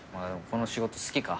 この仕事好きか？